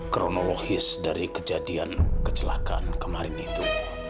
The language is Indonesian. kronologis dari kejadian kecelakaan kemarin itu